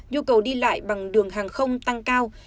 nhu cầu đi lại bằng đường hàng không tăng cao